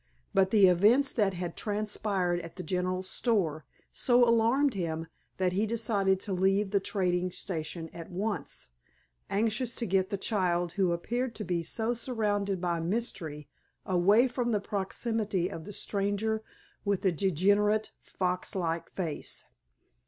But the events that had transpired at the general store so alarmed him that he decided to leave the trading station at once, anxious to get the child who appeared to be so surrounded by mystery away from the proximity of the stranger with the degenerate, fox like face.